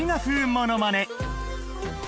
ものまね